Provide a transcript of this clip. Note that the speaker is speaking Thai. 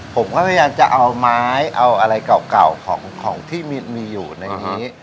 ผมก็พยายามจะเอาไม้เอาอะไรเก่าของที่มีอยู่ในนี้